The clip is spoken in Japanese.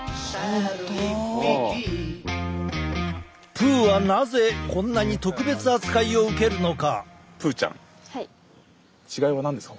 プーはなぜこんなに特別扱いを受けるのか。